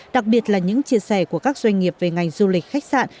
đặc biệt là những chia sẻ của các doanh nghiệp về ngành du lịch khách sạn